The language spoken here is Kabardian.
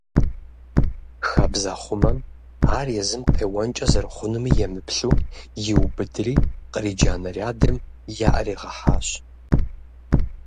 Хабзэхъумэм, ар езым къеуэнкӀэ зэрыхъунуми емыплъу, иубыдри, къриджа нарядым яӀэригъэхьащ.